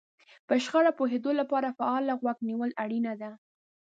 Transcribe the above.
په شخړه پوهېدو لپاره فعاله غوږ نيونه اړينه ده.